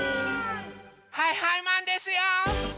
はいはいマンですよ！